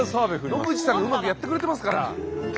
野口さんがうまくやってくれてますから。